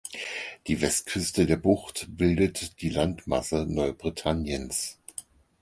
Die Westküste der Bucht bildet die Landmasse Neubritanniens.